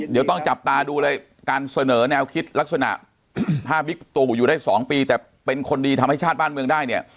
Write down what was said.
เดี๋ยวต้องจับตาดูเลยการเสนอแนวคิดลักษณะถ้าบิ๊กตู่อยู่ได้๒ปีแต่เป็นคนดีทำให้ชาติบ้านเมืองได้เนี่ย